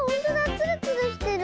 ツルツルしてる！